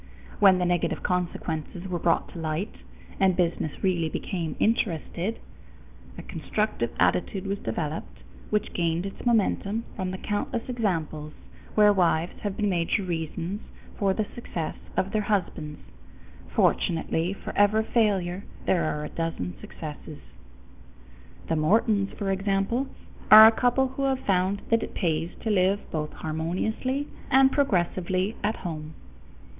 When the negative consequences were brought to light, and business really became interested, a constructive attitude was developed which gained its momentum from the countless examples where wives have been major reasons for the success of their husbands. Fortunately for every failure there are a dozen successes. The Mortons, for example, are a couple who have found that it pays to live both harmoniously and progressively at home.